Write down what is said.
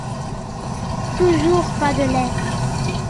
Toujours pas de lettre.